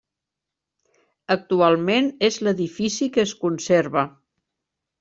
Actualment és l’edifici que es conserva.